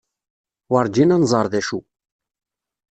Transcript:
Werǧin ad nẓer d acu.